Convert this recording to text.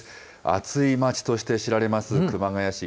暑い町として知られます熊谷市。